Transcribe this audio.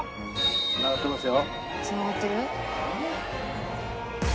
繋がってますよ。